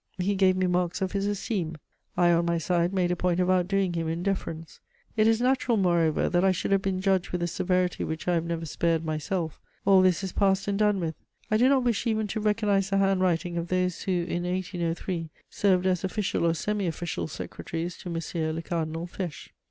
he gave me marks of his esteem: I on my side made a point of outdoing him in deference. It is natural, moreover, that I should have been judged with a severity which I have never spared myself. All this is past and done with: I do not wish even to recognise the handwriting of those who, in 1803, served as official or semi official secretaries to M. le Cardinal Fesch.